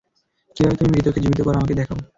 কিভাবে তুমি মৃতকে জীবিত কর আমাকে দেখাও।